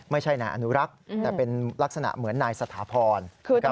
ไม่ใช่นายอนุรักษ์แต่เป็นลักษณะเหมือนนายสถาพร